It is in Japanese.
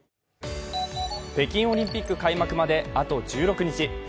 北京オリンピック開幕で、あと１６日。